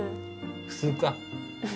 普通か。